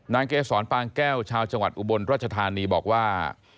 เกษรปางแก้วชาวจังหวัดอุบลรัชธานีบอกว่า